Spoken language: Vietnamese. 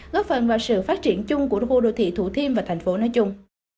góp phần vào sự phát triển chung của khu đô thị thủ thiêm và thành phố nói chung